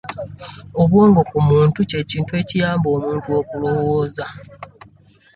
Obwongo ku muntu kye kintu ekiyamba omuntu okulowooza.